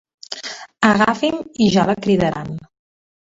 Agafi'm i ja la cridaran.